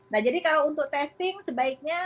nah jadi kalau untuk testing sebaiknya